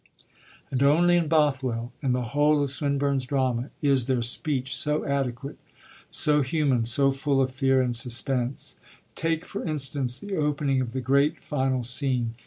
And only in Bothwell, in the whole of Swinburne's drama, is there speech so adequate, so human, so full of fear and suspense. Take, for instance, the opening of the great final scene.